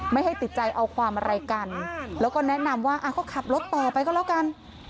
ไม่ให้ติดใจเอาความอะไรกันแล้วก็แนะนำว่าก็ขับรถต่อไปก็แล้วกัน